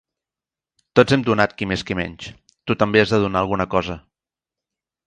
Tots hem donat qui més qui menys: tu també has de donar alguna cosa.